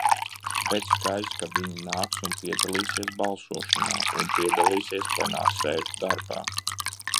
Bet skaidrs, ka viņi nāks un piedalīsies balsošanā un piedalīsies plenārsēžu darbā.